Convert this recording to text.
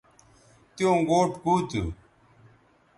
تیوں گوٹ کُو تھو